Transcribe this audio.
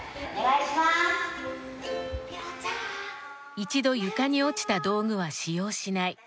一度床に落ちた道具は使用しない。